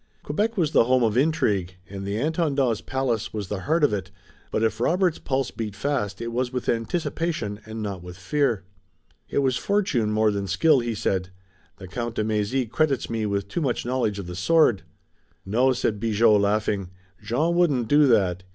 Quebec was the home of intrigue, and the Intendant's palace was the heart of it, but if Robert's pulse beat fast it was with anticipation and not with fear. "It was fortune more than skill," he said. "The Count de Mézy credits me with too much knowledge of the sword." "No," said Bigot, laughing, "Jean wouldn't do that.